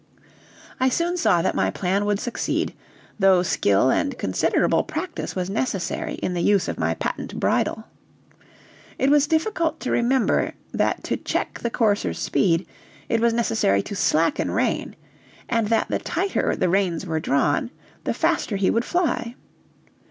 I soon saw that my plan would succeed, though skill and considerable practice was necessary in the use of my patent bridle. It was difficult to remember that to check the courser's speed it was necessary to slacken rein, and that the tighter the reins were drawn, the faster he would fly.